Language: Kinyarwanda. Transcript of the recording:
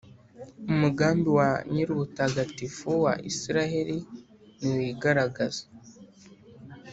Umugambi wa Nyirubutagatifu wa Israheli niwigaragaze,